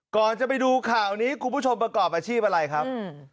ก่อนจะไปดูข่าวนี้คุณผู้ชมประกอบอาชีพอะไรครับ